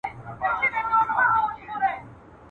دی هم پټ روان پر لور د هدیرې سو.